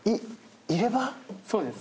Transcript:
そうです。